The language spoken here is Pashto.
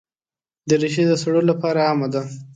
دریشي د سړو لپاره عامه ده.